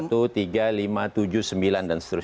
satu tiga lima tujuh sembilan dan seterusnya